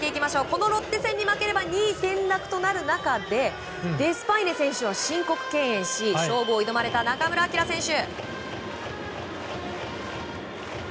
このロッテ戦で負ければ２位転落となる中でデスパイネ選手を申告敬遠し勝負を挑まれた中村晃選手。